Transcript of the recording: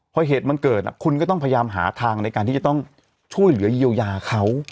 พอเหตุมันเกิดคุณก็ต้องพยายามหาทางในการที่จะต้องช่วยเหลือเยียวยาเขา